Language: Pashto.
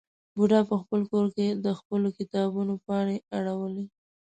بوډا په خپل کور کې د خپلو کتابونو پاڼې اړولې.